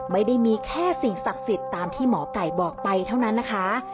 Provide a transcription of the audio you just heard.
ไม่ได้มีแค่สิ่งศักดิ์สิทธิ์ตามที่หมอไก่บอกไปเท่านั้นนะคะ